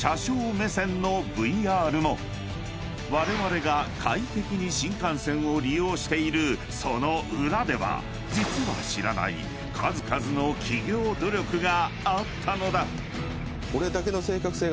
［われわれが快適に新幹線を利用しているその裏では実は知らない数々の企業努力があったのだ］